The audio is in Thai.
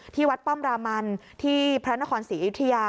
ที่วัดป้อมรามันที่พระนครศรีอยุธยา